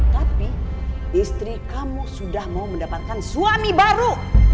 tapi istri kamu sudah mau mendapatkan suami baru